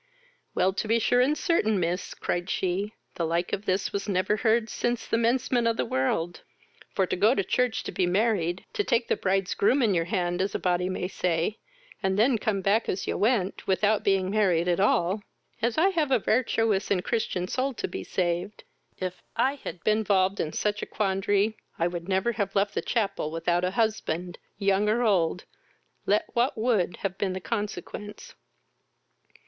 "Well, to be sure and certain, miss, (cried she,) the like of this was never heard since the mencement of the world; for to go to church to be married, to take the bride's groom in your hand, as a body may say, and then to come back as you went, without being married at all! As I have a vartuous and Christian soul to be saved, if I had been volved in such a quandrary, I would never have left the chapel without a husband, young or old, let what would have been the consequence.